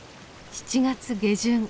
７月下旬。